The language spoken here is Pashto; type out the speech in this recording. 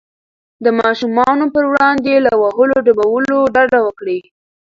د ماشومانو پر وړاندې له وهلو ډبولو ډډه وکړئ.